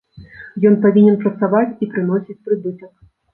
Ён павінен працаваць і прыносіць прыбытак.